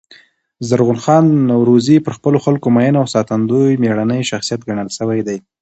زرغون خان نورزي پر خپلو خلکو مین او ساتندوی مېړنی شخصیت ګڼل سوی دﺉ.